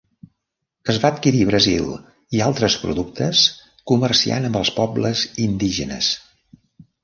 Es va adquirir brasil i altres productes comerciant amb els pobles indígenes.